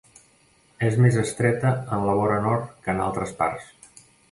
És més estreta en la vora nord que en altres parts.